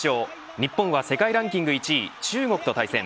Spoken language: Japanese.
日本は世界ランキング１位中国と対戦。